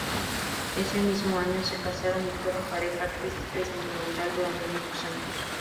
Ese mismo año se casaron y fueron pareja artística y sentimental durante muchos años.